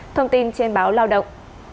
thông tin trên báo lao động